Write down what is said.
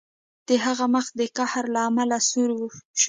د هغه مخ د قهر له امله سور شو